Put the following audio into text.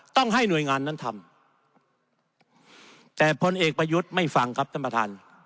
ต้องให้หน่วยงานนั้นทำแต่พลเอกประยุทธ์ไม่ฟังครับท่านประธาน